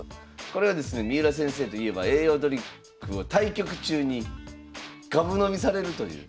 これはですね三浦先生といえば栄養ドリンクを対局中にがぶ飲みされるという。